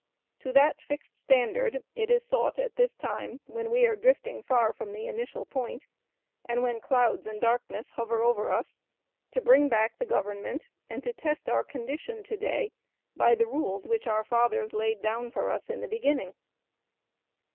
To that fixed standard it is sought, at this time, when we are drifting far from the initial point, and when clouds and darkness hover over us, to bring back the Government, and to test our condition to day by the rules which our fathers laid down for us in the beginning.